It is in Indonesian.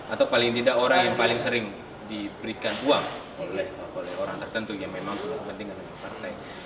atau paling tidak orang yang paling sering diberikan uang oleh orang tertentu yang memang punya kepentingan untuk partai